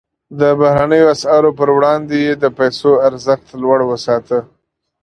د بهرنیو اسعارو پر وړاندې یې د پیسو ارزښت لوړ وساته.